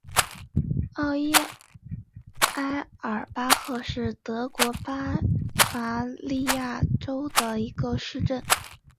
奥伊埃尔巴赫是德国巴伐利亚州的一个市镇。